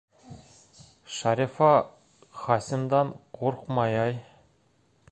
Шарифа Хасимдан ҡурҡмай-ай!